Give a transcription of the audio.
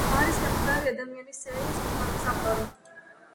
არის „გამხდარი ადამიანის“ სერიის ფილმების ავტორი.